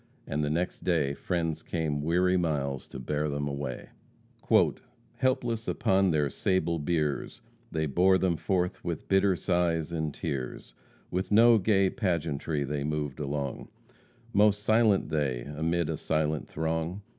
And the next day friends came weary miles to bear them away. "Helpless upon their sable biers, They bore them forth with bitter sighs and tears, With no gay pageantry they moved along, Most silent they, amid a silent throng.